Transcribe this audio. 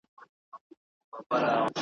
ږغ د خپل بلال مي پورته له منبره له منار کې ,